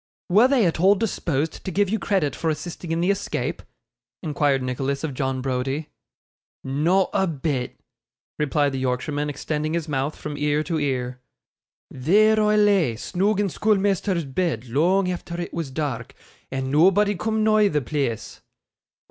'Were they at all disposed to give you credit for assisting in the escape?' inquired Nicholas of John Browdie. 'Not a bit,' replied the Yorkshireman, extending his mouth from ear to ear. 'There I lay, snoog in schoolmeasther's bed long efther it was dark, and nobody coom nigh the pleace.